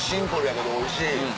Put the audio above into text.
けどおいしい。